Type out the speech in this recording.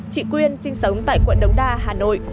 chị quyên sinh sống tại quận đống đa hà nội